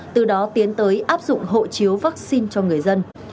từ đó tiến tới áp dụng hộ chiếu vaccine cho người dân